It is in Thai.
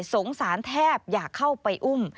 สงสารแทบอยากเข้าไปอุ้ม